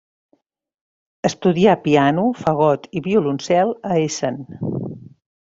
Estudià piano, fagot i violoncel a Essen.